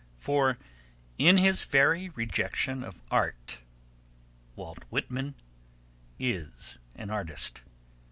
For in his very rejection of art Walt Whitman is an artist.